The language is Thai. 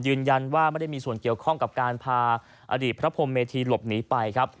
ยืนยันว่าไม่ได้มีส่วนเกี่ยวข้องกับการพาอดีตพระพรมเมธีหลบหนีไปครับ